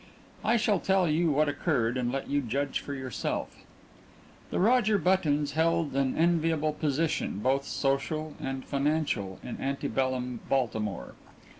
I shall tell you what occurred, and let you judge for yourself. The Roger Buttons held an enviable position, both social and financial, in ante bellum Baltimore.